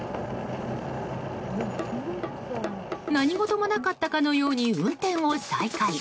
何事もなかったかのように運転を再開。